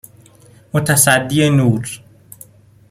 متصدی نور